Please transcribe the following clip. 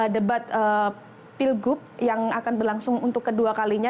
debat pilgub yang akan berlangsung untuk kedua kalinya